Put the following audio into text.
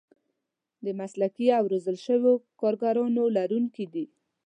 د مسلکي او روزل شوو کارګرانو لرونکي دي.